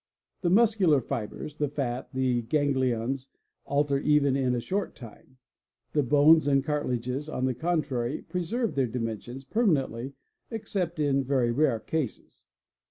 The muscular fibres, the fat, and the ganglions alter even ina short time ; the bones and cartilages on the contrary preserve their | di mensions permanently except in very rare cases.